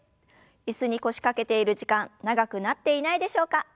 椅子に腰掛けている時間長くなっていないでしょうか？